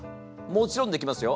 もちろんできますよ。